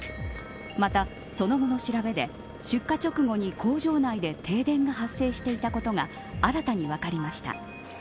また、その後の調べで出火直後に工場内で停電が発生していたことが新たに分かりました。